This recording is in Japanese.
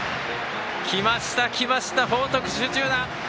きました、きました報徳学園、集中打！